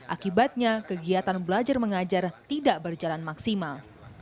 akibatnya kegiatan belajar mengajar tidak berjalan maksimal